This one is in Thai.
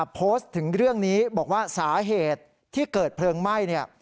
โพสต์ถึงเรื่องนี้บอกว่าสาเหตุที่เกิดเพลิงไหม้เนี่ย